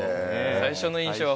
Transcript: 最初の印象は。